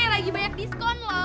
lagi banyak diskon lho